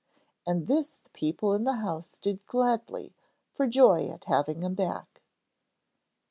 And this the people in the house did gladly, for joy at having him back.